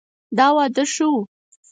دا واده ښه ؤ